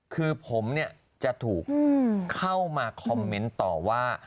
คือผมจะถูกเข้ามาคอมเมนต์ต่อว่า